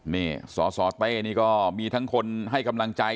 นี่สสเต้นี่ก็มีทั้งคนให้กำลังใจ